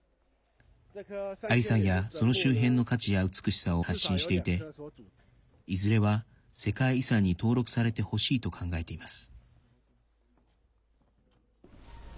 阿里山や、その周辺の価値や美しさを発信していていずれは、世界遺産に登録されてほしいと考えています。